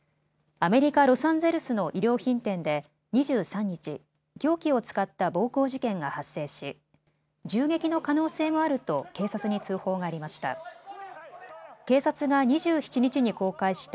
アメリカ・ロサンゼルスの衣料品店で２３日、凶器を使った暴行事件が発生し銃撃の可能性もあると警察に通報がありました。